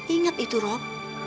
ingat itu rob